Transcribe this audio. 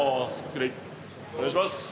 お願いします。